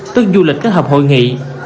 tức du lịch các hợp hội nghị